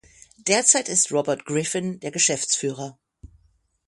Derzeit ist Robert Griffin der Geschäftsführer.